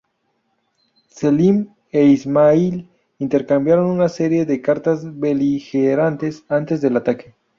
Selim e Ismāʽīl intercambiaron una serie de cartas beligerantes antes del ataque.